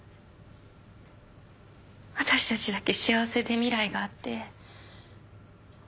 私たちだけ幸せで未来があってあの子だけ。